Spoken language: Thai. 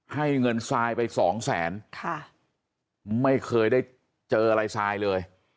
ให้เงินทรายไปสองแสนค่ะไม่เคยได้เจออะไรซายเลย